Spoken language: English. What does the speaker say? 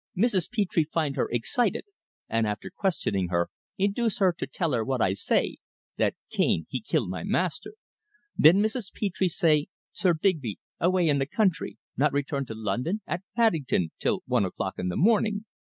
Mrs. Petre find her excited, and after questioning her, induce her to tell her what I say that Cane he kill my master. Then Mrs. Petre say, Sir Digby away in the country not return to London at Paddington till one o'clock in the morning.